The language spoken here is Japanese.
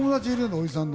おじさんの。